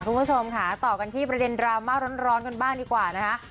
คุณผู้ชมค่ะต่อกันที่ประเด็นดราม่าร้อนกันบ้างดีกว่านะคะ